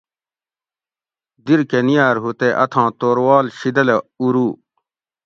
دِر کہۤ نیار ھو تے اتھاں توروال شیدلہ اورو